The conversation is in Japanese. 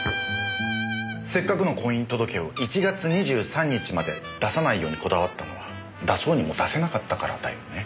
せっかくの婚姻届を１月２３日まで出さないようにこだわったのは出そうにも出せなかったからだよね。